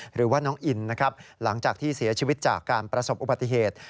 หรือว่าน้องอินนะครับหลังจากที่เสียชีวิตจากการประสบอุบัติเหตุ